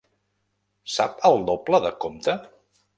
Sap el doble de compte?